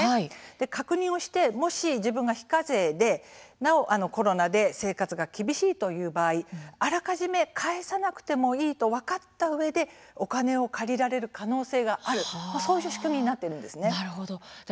確認して自分が非課税でなおコロナで生活が厳しいという場合あらかじめ返さなくてもいいと分かったうえでお金を借りられる可能性があるそういう仕組みになっているんです。